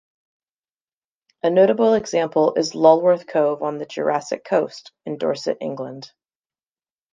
A notable example is Lulworth Cove on the Jurassic Coast in Dorset, England.